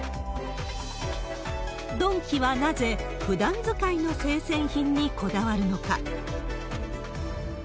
ドンキはなぜ、ふだん使いの生鮮品にこだわるのか。